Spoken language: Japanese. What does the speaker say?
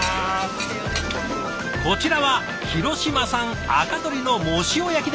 こちらは広島産赤どりの藻塩焼きですって。